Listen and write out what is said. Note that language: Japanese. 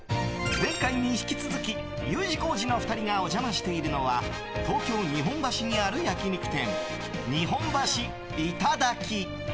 前回に引き続きＵ字工事の２人がお邪魔しているのは東京・日本橋にある焼き肉店日本橋イタダキ。